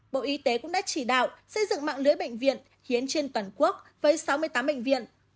bộ y tế cũng đã chỉ đạo xây dựng mạng lưới bệnh viện hiến trên toàn quốc với sáu mươi tám bệnh viện